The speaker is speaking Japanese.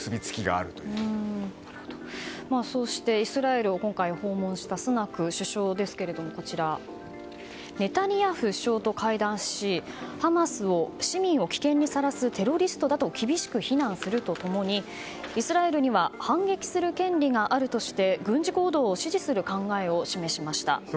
なるほど、そしてイスラエルを今回訪問したスナク首相ですがネタニヤフ首相と会談しハマスを、市民を危険にさらすテロリストだと厳しく非難すると共にイスラエルには反撃する権利があるとして軍事行動を支持する考えを示しました。